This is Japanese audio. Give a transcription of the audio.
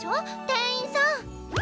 店員さん！